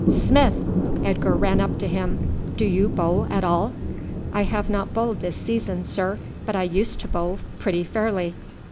"Smith!" Edgar ran up to him. "Do you bowl at all?" "I have not bowled this season, sir, but I used to bowl pretty fairly."